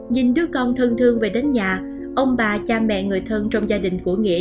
nhìn đứa con thân thương về đến nhà ông bà cha mẹ người thân trong gia đình của nghĩa